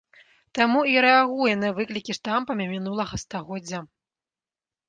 Таму і рэагуе на выклікі штампамі мінулага стагоддзя.